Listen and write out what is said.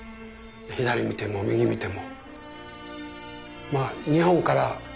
左見ても右見ても。